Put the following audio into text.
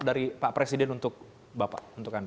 dari pak presiden untuk bapak